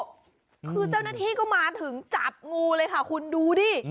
คือเจ้าหน้าที่ก็มาถึงจับงูเลยค่ะคุณดูดิ